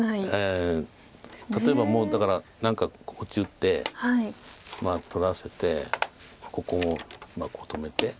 例えばもうだから何かこっち打って取らせてここを止めて。